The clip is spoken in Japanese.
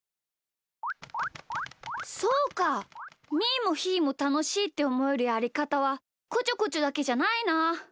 ーもひーもたのしいっておもえるやりかたはこちょこちょだけじゃないな。